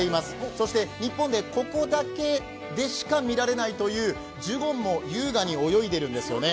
そして日本でここだけでしか見られないというジュゴンも優雅に泳いでいるんですよね。